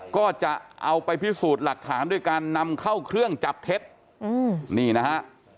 ก็จะเอาไปพิสูจน์หลักฐานด้วยการนำเข้าเครื่องจับเท็จนี่นะฮะ